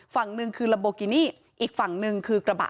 ฝั่งหนึ่งคือลัมโบกินี่อีกฝั่งหนึ่งคือกระบะ